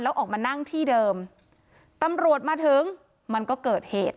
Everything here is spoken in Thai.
แล้วออกมานั่งที่เดิมตำรวจมาถึงมันก็เกิดเหตุ